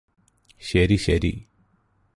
ശരിശരി